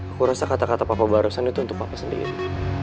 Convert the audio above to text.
aku rasa kata kata papa barusan itu untuk aku sendiri